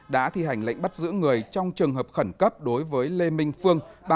đã thi hành lệnh bắt giữ người trong trường hợp khẩn cấp đối với lê minh phương